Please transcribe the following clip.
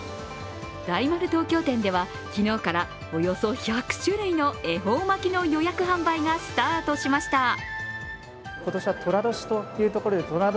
大丸東京店では昨日からおよそ１００種類の恵方巻の予約販売がスタートしました。